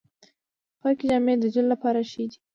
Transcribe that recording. پاکې جامې د جلد لپاره ښې دي۔